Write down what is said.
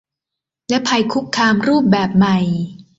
และภัยคุกคามรูปแบบใหม่